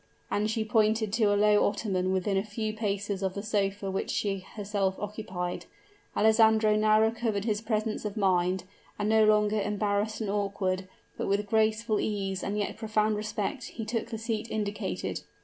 and she pointed to a low ottoman within a few paces of the sofa which she herself occupied. Alessandro now recovered his presence of mind; and no longer embarrassed and awkward, but with graceful ease and yet profound respect, he took the seat indicated.